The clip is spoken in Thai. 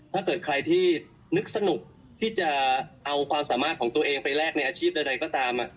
ถ้าเกิดใครที่นึกสนุกที่จะเอาความสามารถของตัวเองไปแลกในอาชีพใดก็ตาม